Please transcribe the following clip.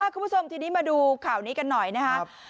คุณผู้ชมทีนี้มาดูข่าวนี้กันหน่อยนะครับ